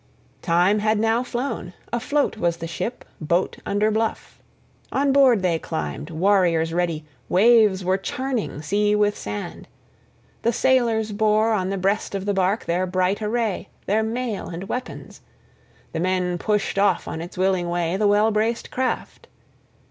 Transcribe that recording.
Time had now flown; {3b} afloat was the ship, boat under bluff. On board they climbed, warriors ready; waves were churning sea with sand; the sailors bore on the breast of the bark their bright array, their mail and weapons: the men pushed off, on its willing way, the well braced craft.